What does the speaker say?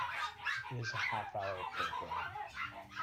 It is a half-hour program.